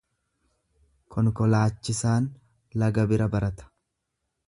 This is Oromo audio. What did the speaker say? Konkolaachisaan laga bira barata.